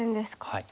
はい。